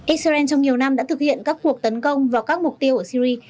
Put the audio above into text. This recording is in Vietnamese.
israel trong nhiều năm đã thực hiện các cuộc tấn công vào các mục tiêu ở syri